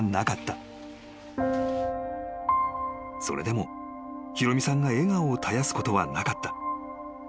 ［それでもひろ実さんが笑顔を絶やすことはなかった］